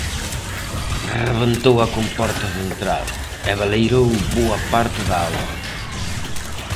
Rebentou a comporta central, e baleirou boa parte da auga.